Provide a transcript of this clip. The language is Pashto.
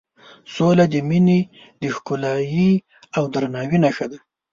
سوله د مینې د ښکلایې او درناوي نښه ده.